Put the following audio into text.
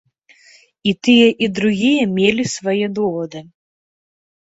І тыя і другія мелі свае довады.